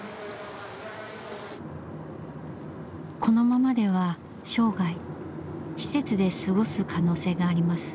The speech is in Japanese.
このままでは生涯施設で過ごす可能性があります。